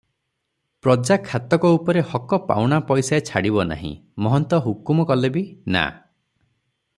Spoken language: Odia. ପ୍ରଜା ଖାତକ ଉପରେ ହକ ପାଉଣା ପଇସାଏ ଛାଡିବ ନାହିଁ, ମହନ୍ତ ହୁକୁମ କଲେ ବି, ନା ।